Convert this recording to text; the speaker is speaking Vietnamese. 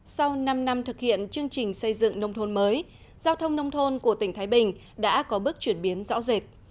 sau năm năm thực hiện chương trình xây dựng nông thôn mới giao thông nông thôn của tỉnh thái bình đã có bước chuyển biến rõ rệt